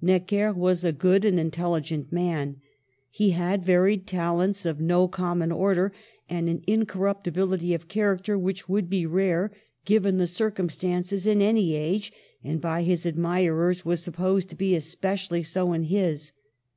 Necker was a good and intelligent man. He had varied talents of no common order, and an incorruptibility of char acter which would be rare — given the circum stances — in any age, and, by his admirers, was supposed to be especially so in his.